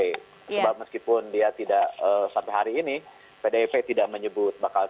karena meskipun dia tidak sampai hari ini pdip tidak menyebut bakal calon